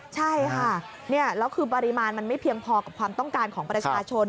ใช่ค่ะแล้วคือปริมาณมันไม่เพียงพอกับความต้องการของประชาชน